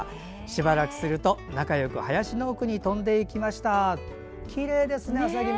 しばらくすると２匹で仲よく林の奥に飛んでいきました。